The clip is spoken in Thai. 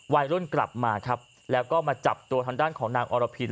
วัยรุ่นกลับมาครับแล้วก็มาจับตัวทางด้านของนางอรพิน